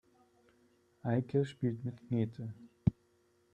Eike spielt mit Knete.